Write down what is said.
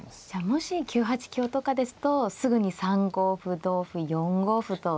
もし９八香とかですとすぐに３五歩同歩４五歩と。